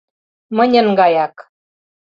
Мыньын гаяк».